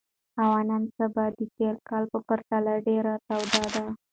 هوا نن سبا د تېر کال په پرتله ډېره توده ده.